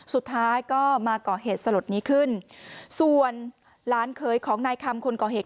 สุดท้ายก็มาก่อเหตุสลดนี้ขึ้นส่วนหลานเคยของนายคำคนก่อเหตุ